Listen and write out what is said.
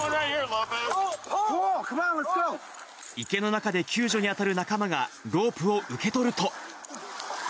池の中で救助に当たる仲間が、ロープを受け取ると。